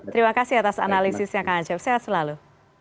terima kasih atas analisisnya kang acep sehat selalu